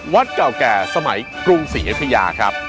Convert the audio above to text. วัดเก่าแก่สมัยกรุงศรีไฟพิยาครับ